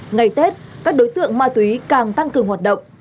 ngày tết các đối tượng ma túy càng tăng cường hoạt động